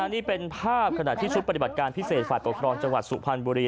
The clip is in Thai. นี่เป็นภาพขณะที่ชุดปฏิบัติการพิเศษฝ่ายปกครองจังหวัดสุพรรณบุรี